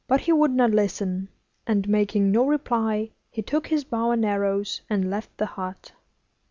But he would not listen, and, making no reply, he took his bow and arrows and left the hut.